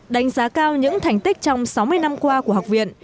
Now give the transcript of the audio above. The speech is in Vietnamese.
đánh giá cao những thành tích trong sáu mươi năm qua của học viện